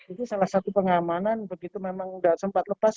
itu salah satu pengamanan begitu memang tidak sempat lepas